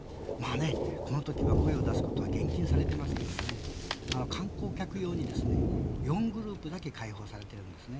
このときは、声を出すことは厳禁されていますけど観光客用に４グループだけ開放されているんですね。